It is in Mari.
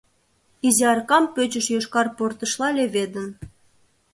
Изи аркам пӧчыж йошкар портышла леведын.